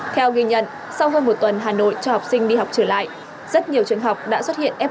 theo ghi nhận sau hơn một tuần hà nội cho học sinh đi học trở lại rất nhiều trường học đã xuất hiện f một